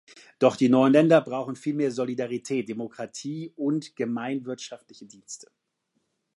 Doch die neuen Länder brauchen vielmehr Solidarität, Demokratie und gemeinwirtschaftliche Dienste.